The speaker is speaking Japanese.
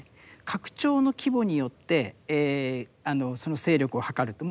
拡張の規模によってその勢力を図ると。